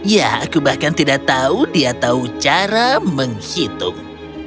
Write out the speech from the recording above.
ya aku bahkan tidak tahu dia tahu cara menghitung